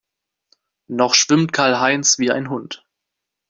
Noch schwimmt Karl-Heinz wie ein Hund.